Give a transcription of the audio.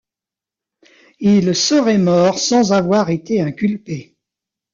Il serait mort sans avoir été inculpé.